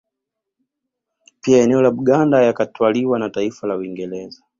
Pia eneo la Buganada yakatwaliwa na taifa la Uingereza